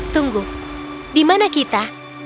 tunggu di mana kita